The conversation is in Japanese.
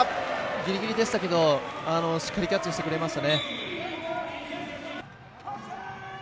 ぎりぎりでしたけどしっかりキャッチしてくれました。